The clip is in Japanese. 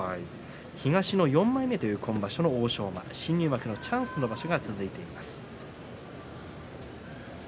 東の４枚目という今場所の欧勝馬新入幕のチャンスの場所が続いています。